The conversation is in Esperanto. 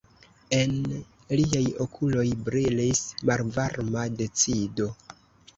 En liaj okuloj brilis malvarma decido.